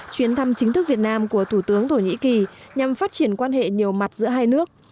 chuyến thăm chính thức việt nam của thủ tướng thổ nhĩ kỳ nhằm phát triển quan hệ nhiều mặt giữa hai nước